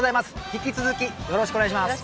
引き続きよろしくお願いします。